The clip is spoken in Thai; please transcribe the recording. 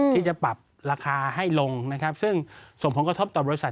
ที่จะปรับราคาให้ลงนะครับซึ่งส่งผลกระทบต่อบริษัท